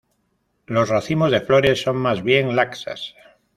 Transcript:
Los racimos de flores son más bien laxas.